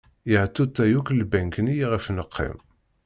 Yehtuta yakk lbenk-nni iɣef neqqim.